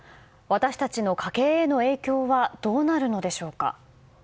私たちの家計への影響はどうなるのでしょうか。